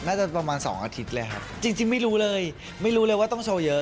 น่าจะประมาณสองอาทิตย์เลยครับจริงจริงไม่รู้เลยไม่รู้เลยว่าต้องโชว์เยอะ